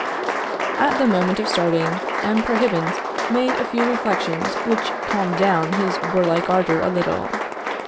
At the moment of starting, M. Prohibant made a few reflections which calmed down his warlike ardour a little.